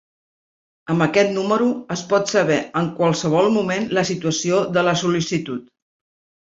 Amb aquest número es pot saber en qualsevol moment la situació de la sol·licitud.